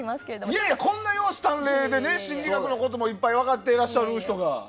いやいや、こんな容姿端麗で心理学のこともいっぱい分かってらっしゃる人が。